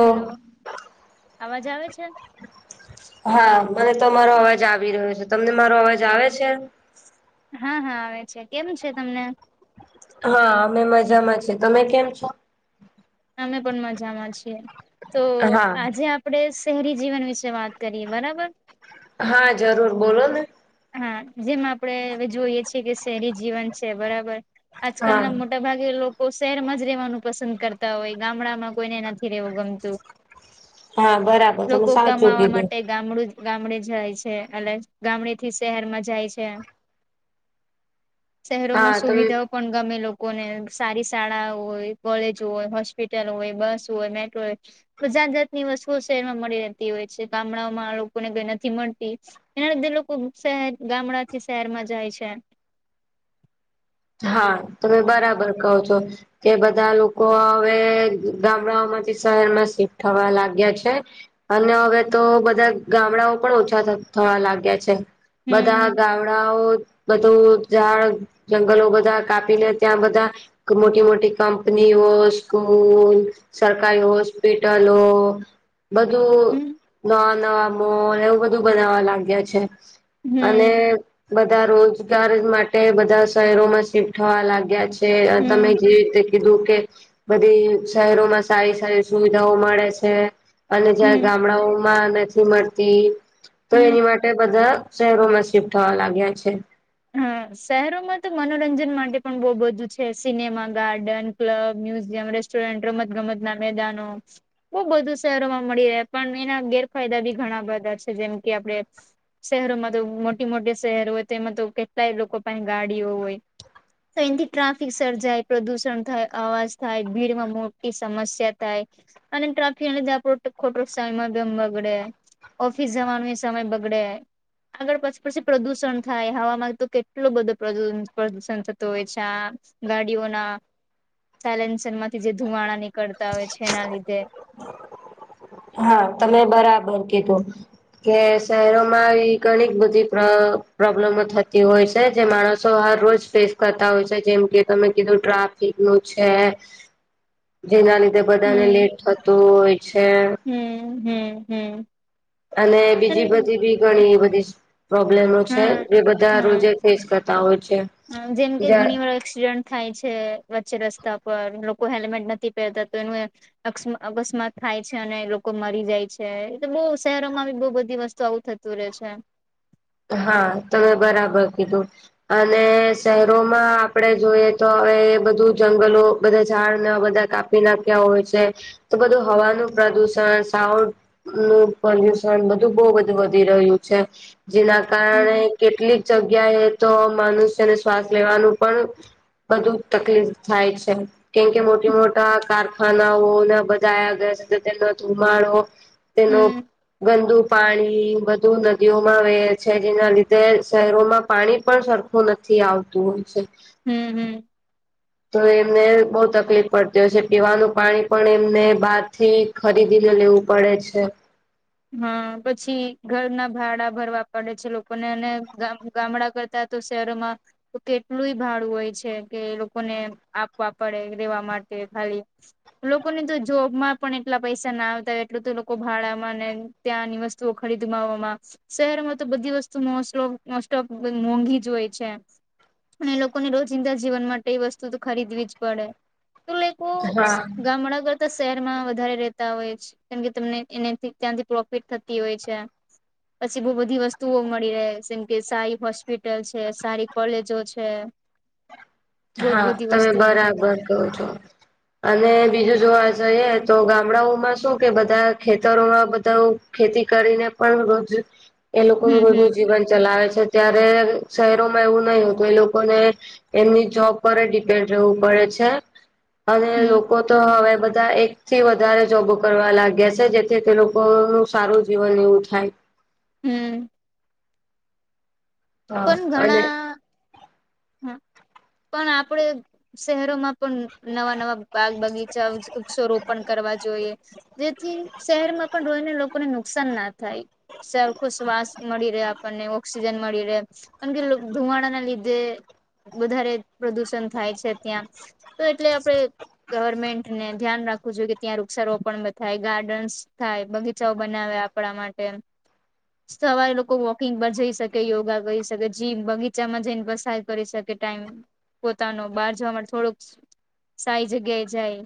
Hello અવાજ આવે છે? હા, મને તમારો અવાજ આવી રહ્યો છે. તમને મારો અવાજ આવે છે? હા હા આવે છે, કેમ છે તમને? હા અમે મજામાં છે, તમે કેમ છો? અમે પણ મજામાં છીએ. તો હા આજે આપ ણે શહેરી જીવન વિશે વાત કરીએ. બરાબર? હા, જરૂર બોલો ને. હા. જેમ આપણે હવે જોઈએ છીએ કે શહેરી જીવન છે બરાબર આજકાલના હા મોટા ભાગે લોક કો શહેરમાંજ રેવાનું પસંદ કરતા હોય, ગામડામાં કોઈને નથી રહેવું ગમતું. હા બરાબર, તમે સાચું કીધું. ગામડુંજ ગામડે જાય છે, એટલે ગામડે થી શહેરમાં જાય છે. શહેરોમાં હા તમે સુવિધાઓ પણ ગામે લોકોને, સારી શાળાઓ હોય, કોલેજો હોય, હોસ્પિટલ હોય, બસ હોય, મેટ્રો હોય. પચાસ જાતની વસ્તુઓ શહેર માં મળી રહેતી હોય છે, ગામડા ઓમાં લોકોને કઈ નથી મળતી. એના લીધે લોકો સેહેર, ગામડાથી શહેરમાં જાય છે. હા તમે બરાબર કહો છો. કે બધા લોકો હવે, ગામડાઓમાંથી શહેર માં સિફ્ટ થવા લાગ્યા છે. અને હવે તો બધા ગામડાઓ પણ ઓછા થત થવા લાગ્યા છે. બધા હમ ગાવડાઓ, બધું ઝાડ જંગલો બધા કાપીને ત્યાં બધા મોટી મોટી કંપનીઓ, સ્કૂલ સરકારી હોસ્પિટલો બધું હમ નવા નવા મોલ, એવું બધું બનાવવા લાગ્યા છે. અને હમ બધા રોજગાર માટે બધા શહેરોમાં શિફ્ટ થવા લાગ્યા છે, તમે હમ જે રીતે કીધું કે, બધી શહેરોમાં સારી સારી સુવિધાઓ મળે છે. અને જ્યાં હમ ગામડાઓમાં નથી મળતી, તો હમ એની માટ તે બધા શહેરોમાં શિફ્ટ થવા લાગ્યા છે. હા શહેરોમાં તો મનોરંજન માટે પણ બહુ બધું છે, cinema, garden club, museum, restaurant, રમત ગમત ના મેદાનો. બહુ બધું શહેરોમાં મળી રહે, પણ એના ગેરફાયદા બી ઘણા બધા છે, જેમ કે આપડે શહેરોમાં તો મોટી મોટી શહેરો હોય તેમાં તો કેટલાય લોકો પાહે ગાડીઓ હોય. તો એથી ટ્રાફિક સર્જાય, પ્રદૂષણ થાય, અવાજ થાય, ભીડમાં મોટી સમસ્યા થાય. અને ટ્રકે અને જાપડે ખોટો સન મા બગડે ઓફિસ જવાનું એ સમય બગડે, આગળ પછી પછી પ્રદુષણ થાય હવામાં તો કેટલો બધો પ્રદુષણ થતો હોય છે આ ગાડીઓના સાયલેન્સન માંથી જે ધુમાડા નીકળતા હોય છે એના લીધે. હા તમે બરાબર કીધું. કે શહેરોમાં એ ઘણી બધી પ્ર પ્રોબ્લેમો થતી હોય છે, જે માણસ તો હર રોજ ફેસ કરતા હોય છે, જેમ કે તમે કીધું ટ્રાફિકનું છે. [inaudible] જેના લીધે બધાને લેટ થતું હોય છે. હમ્મ હમ્મ હમ્મ અને બીજી બધી બી. ઘણી બધીજ પ્રોબ્લેમો છે, હા એ બધા હા રોજે ફેસ કરતા હોય છે. હા, જેમ કે ઘણી જ્યાં વાર એક્સિડન્ટ થાય છે, વચ્ચે રસ્તા પર, લોકો હેલ્મેટ નથી પહેરતા તો એનું એ અક્સ માં અકસ્માત થાય છે, અને લોકો મરી જાય છે, એટલે બહુ શહેરોમાં બી બહુ બધી વસ્તુ આવું થત તું રે છે હા તમે બરાબર કીધું. અને શહેરોમાં આપડે જોઈએ તો હવે એ બધું જંગલો બધા ઝાડને બધા કા પી નાખ્યા હોય છે તો બધું હવાનું પ્રદુષણ સાઉ નું પોલ્યુશન બધું બો બધું વધી રહ્યું છે જેના કારણે હમ કેટલીક જગ્યાએ તો મનુષ્યને શ્વાસ લેવાનું પણ બધું તકલીફ થાય છે. કેમ કે મોટી હમ મોટા કારખાનાઓ ના બધાનો [unintelligible] ધુમાડો તેનું ગંદુ પાણી બધું નદીઓ મા વહે છે, જેના લીધે શહેરોમાં પાણી પણ સરખું નથી આવતું હોય છે. હમ્મ હમ્મ તો એમને બહું તકલીફ પડતી હોય છે, પીવાનું પાણી પણ એમને બારથી ખરીદીને લેવું પડે છે. હા પછી ઘરના ભાડા ભરવા પડે છે લોકોને અને ગામડા ત્યાં તો શહેરોમાં તો કેટલુંય ભાડું હોય છે કે એ લોકોને આપવા પડે રહેવા માટે ખાલી લોકોને તો જોબ માં પણ એટલા પૈસા ના આવતા હોય એટલું તો લોકો ભાડામાં ને ત્યાંની વસ્તુઓ ખરીદવામાં શહેરમાં તો બધી વસ્તુ મો સોપ મોસ્ટોપ મોંઘી જ હોય છે. અને લોકોને રોજિંદા જીવન માટે એ વસ્તુ તો ખરીદવી જ પડે. તો લાઈક હા ગામડા કરતા શહેરમાં વધારે રેતા હોય છે કેમકે તમને એ ત્યાંથી પ્રોફિટ થતી હોય છે. પછી બહુ બધી વસ્તુઓ મળી રહે જેમ કે સારી હોસ્પિટલ છે, સારી કોલેજો છે. બહુ હા બધી તમે વસ્તુઓ બરાબર કહો છો. અને બીજું જોવા જઈએ તો ગામડાઓમાં શું કે બધા ખેતરોમાં બધા ખેતી કરીને પણ રોજ એ લોકો હમ હમ બધું જીવન ચલાવે છે. ત્યારે શહેરોમાં એવું નહી હોતું એ લોકોને એમની જોબ પર ડિપેન્ડ રહેવું પડે છે અને હમ લોકો તો હવે બધા એક થી વધારે જોબો કરવા લાગ્યા છે જેથી તે લોકોનું સારું જીવન એવું થાય. હમ્મ. હા પણ અને ઘણા પણ આપડે શહેરોમાં પણ નવા નવા બાગ બગીચા વૃક્ષો રોપણ કરવા જોઈએ. જેથી શહેરમાં પણ રોઈને લોકોને નુકસાન ના થાય સરખો શ્વાસ મળી રહ્યા આપણને ઓક્સિજન મળી રહે કેમ કે લોકો ધુવાડા ના લીધે વધારે પ્રદુષણ થાય છે ત્યાં તો એટલે આપડે ગવર્મેન્ટ ને ધ્યાન રાખવું જોઈએ કે ત્યાં વૃક્ષારોપણ થાય ગાર્ડન્સ થાય બગીચાઓ બનાવે આપણા માટે સવારે લોકો વોકિંગ પર જઈ શકે યોગા કરી શકે જીમ બગીચામાં જઈને [unintelligible] કરી શકે ટાઈમ પોતાનો બહાર જવા માટે થોડુંક સારી જગ્યાએ જાય.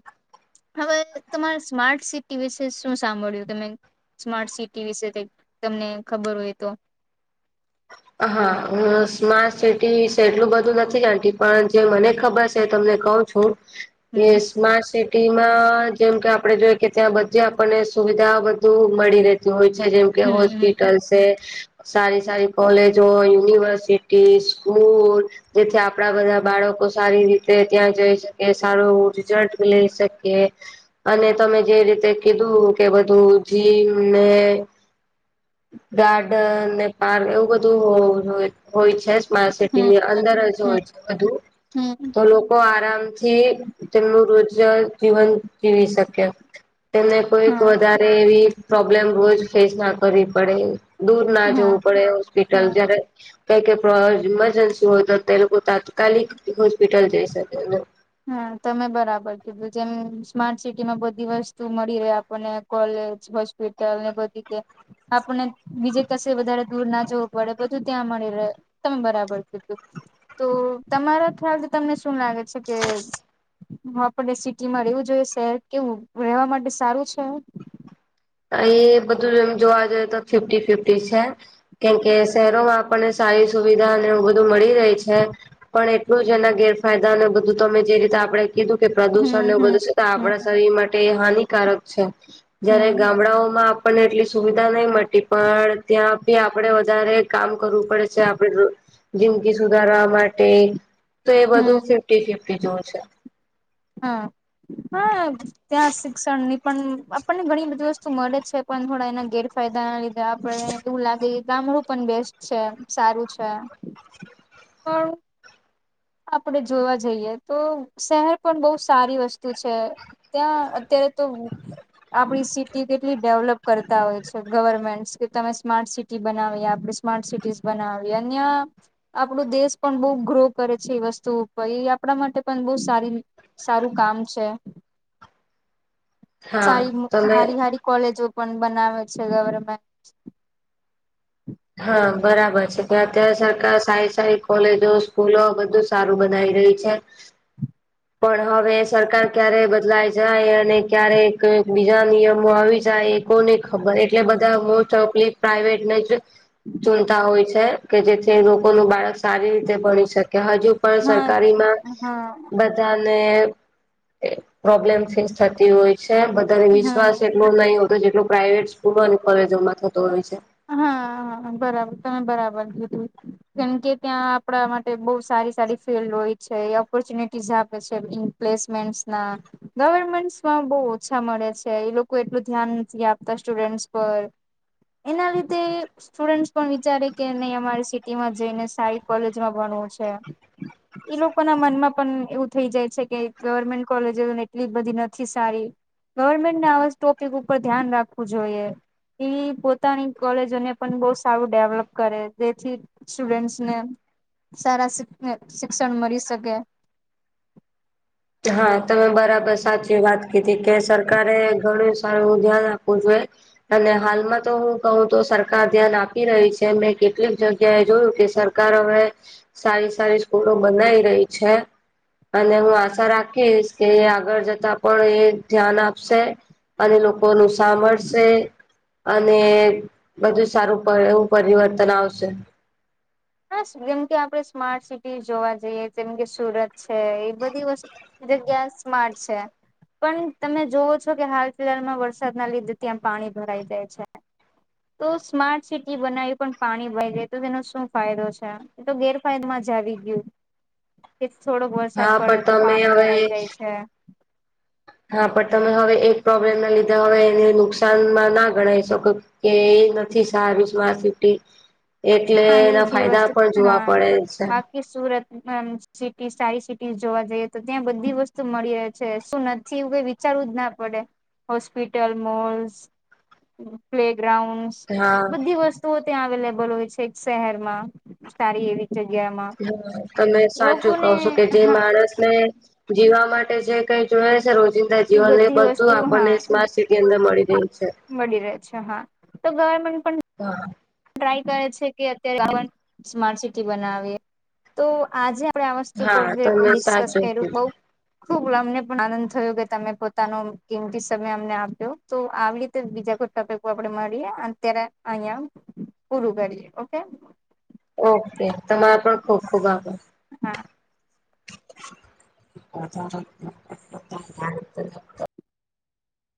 હવે તમાર સ્માર્ટ સિટી વિશે શું સાંભળ્યું તમે? સ્માર્ટ સિટી વિશે તમને ખબર હોય તો હા હું સ્માર્ટ સિટી એટલું બધું નથી જતી પણ જે મને ખબર છે તમને કઉ [unintelligible] હમ સ્માર્ટ સિટી માં જેમ કે આપડે જોઈ કે ત્યાં બધે આપણને સુવિધા બધું મળી રે તીહોય છે જેમ કે હમ હોસ્પિટલ છે સારી સારી કોલેજો, યુનિવર્સિટી, સ્કૂલ જેથી આપડા બધા બાળકો સારી રીતે ત્યાં જઈ શકે સારું રિઝલ્ટ લઈ શકે. અને તમે જે રીતે કીધું કે બધું જીમ ને ગાર્ડન ને પાર્ક એવું બધું હો હોય છે સ્માર્ટ હમ સિટીની અંદર જ હમ હોય છે બધું હમ હમ હમ તો લોકો આરામથી તેમનું રોજ જ જીવન જીવી શકે તેમને કોઈક હા વધારે એવી પ્રોબ્લેમ રોજ ફેસ ના કરવી પડે દૂર ના હા જોવું પડે હોસ્પિટલ હા જયારે કેમ કે પ ઇમરજન્સી હોય તો તે લોકો તાત્કાલિક હોસ્પિટલ જઈ શકે. હા તમે બરાબર કીધું જેમ સ્માર્ટ સિટીમાં બધી વસ્તુ મળી રહે આપણને કોલેજ હોસ્પિટલ ને બધી કે આપને બીજે કશે વધારે દૂર ના જવું પડે બધું ત્યાં મળી રહે. તમે બરાબર કીધું તો તમારા ખ્યાલથી તમને શું લાગે છે કે હું આપને સિટીમાં રહેવું જોઈએ શહેર કેવું રહેવા માટે સારું છે? એ બધું એમ જોવા જઈએ તો ફિફ્ટી ફિફ્ટી છે. કેમ કે શહેરોમાં આપણને સારી સુવિધાને બધું મળી રહી છે પણ એટલું જ એના ગેરફાયદા ને બધું તમે જે રીતે આપડણે કીધું કે હમ પ્રદુષણને એવું હમ બધું છે તો હમ આપણા શરીર માટે એ હાનિકારક છે જય્યારે હમ ગામડાઓમાં આપણને એટલી સુવિધા નહી મળતી પણ ત્યાંથી આપણેે વધારે કામ કરવું પડે છે આપડે જિંદગી સુધારવા માટે તો એ બધું હમ ફિફ્ટી ફિફ્ટી જોવું છે. હ હા ત્યાં શિક્ષણ ની પણ આપણને ઘણી બધી વસ્તુ મળે છે પણ થોડા એના ગેરફાયદા ના લીધે ત્યા આપણને એવું લાગે ગામડું પણ બેસ્ટ છે સારું છે પણ આપડે જોવા જઈએ તો શહેર પણ બહુ સારી વસ્તુ છે ત્યાં અત્યારે તો આપડી સિટી કેટલી ડેવલપ કરતા હોય છે ગવર્મેન્ટ કે તમે સ્માર્ટ સિટી બનાવી આપડી સ્માર્ટ સિટી બનાવી અન્ય આપણું દેશ પણ બહ ગ્રો કરે છે એ વસ્તુ એ આપણા માટે પણ બહ સારી સારું કામ છે હા સારી તમે હારી હારી કોલેજો પણ બનાવે છે ગવર્મેન્ટ હા બરાબર છે ત અત્યારે સરકાર સારી સારી કોલેજો સ્કૂલો બધું સારું બનાવી રહી છે [inaudible] પણ હવે સરકાર ક્યારે બદલાઈ જાય અને ક્યારે બીજા નિયમો આવી જાય કોની ખબર એટલે બધા મોસ્ટપલી પ્રાાઈવેટ ને જ ચૂનતા હોય છે કે જેથી લોકો ન બાળક સારી રીતે ભણી શકે હજુ પણ હા સરકારીમાં હા બ બધ્ધા ને પ્રોબ્લેમ ફેસ થતી હોય છે બધાને વિશ્વાસ હા બોવ નહી હોતુ જેટલો પ્રાઇવેટ સ્કૂલો અને કોલેજોમાં થતો હોય છે હા હા બરાબર તમે બરાબર કીધું કેમકે ત્યાં આપણા માટે બહ સારી સારી ફિલ્ડ હોય છે ઓપોર્ચ્યુનિટીઝ આપે છે પ્લેસમેન્ટસના ગવર્મેન્ટસમાં બહુ ઓછા મળે છે એ લોકો એટલું ધ્યાન નથી આપતા સ્ટુડન્ટસ પર એના લીધે સ્ટુડન્ટ પણ વિચારે કે નહી અમારી સિટીમાં જઈને સાઈ કોલેજમાં ભણવું છે એ લોકો ના મનમાં પણ એવું થઈ જાય છે કે ગવર્મેન્ટ કોલેજને એટલી બધી નથી સારી ગવર્મેન્ટને આવા જ ટોપિક ઉપર ધ્યાન રાખવું જોઈએ ઈ પોતાની કોલેજોને પણ બહ સારું ડેવલપ કરે જેથી સ્ટુડન્ટસને સારા શ શિક્ષણ મળી શકે હા તમે બરાબર સાચી વાત કીધી કે સરકારે ઘણું સારું ધ્યાન આપવું જોઈએ અને હાલમાં તો હું કહું તો સરકાર ધ્યાન આપી રહી છે મે કેટલીક જગ્યાએ જોયું કે સર સરકાર હવે સારી સારી સ્કૂલો બનાવી રહી છે અને હું રાખીશ કે આગળ જતા પણ એ ધ્યાન આપશે અને લોકો નું સાંભળશે અને બધું સારું પરી એવું પરિવર્તન આવશે. હા જેમ કે આપડે સ્માર્ટ સિટી જોવા જઈએ જેમ કે સુરત છે એ બધી વસ્તુ એ જગ્યા સ્માર્ટ છે. પણ તમે જોવો છો કે હાલ ફિહાલમાં વરસાદના લીધે ત્યાં પાણી ભરાઈ જાય છે. તો સ્માર્ટ સિટી બનાવી પણ પાણી ભઈ જાય તો તેનો શું ફાયદો છે? એ તો ગેરફાયદ માં જ આવી ગયું કે થોડો વરસાદ હા પડે પણ તો તમે પાણી ભરાઈ હવે જાય છે હા પણ તમે હવે એક પ્રોબ્લેમ ના લીધે હવે એને નુકસાનમાં ના ગણાવ શકો. કે એ નથી સ સ્માર્ટ સિટી. એટલે હા એ એના બી ફાયદા વસ્તુ પણ જોવા હા પડે છે. બાકી સુરત માં સિટી સારી સિટી જોવા જઈએ તો ત્યાં બધી વસ્તુ મળી રહે છે શું નથી એવું કે. ચાલુ જ ના પડે હોસ્પિટલ મોલ્સ પ્લે ગ્રાઉન્ડસ. હા બધી વસ્તુઓ ત્યાં અવેલેબલ હોય છે એક શહેર માં સારી એવી જગ્યામાં. હા તમે સાચું કહો લોકોને છો કે જે હા માણસ ને. જીવા માટે જે કઈ જોયા છે રોજિંદા જીવન એ બધી બધું વસ્તુ આપણને હા સ્માર્ટ સિટી. અંદર મળી રહી છે. મળી રહે છે હા તો ગવર્મેન્ટ પણ હા. ટ્રાય કરે છે કે અત્યારે સ્માર્ટ સિટી બનાવી તો આજે. આપે આ વસ્તુ પર હા તમે ડિસ્કસ સાચું કર્યું બઉ. કીધું. ખુબ અમને પણ આનંદ થયો કે તમે પોતાનો કિંમતી સમય અમને આપ્યો. તો આવી રીતે બીજા કોઈ ટોપિક આપડે મળીએ અત્યારે અહિયાં. પૂરું કરીએ ઓકે. ઓકે તમારા પણ ખુબ ખુબ આભાર. હા. [inaudible]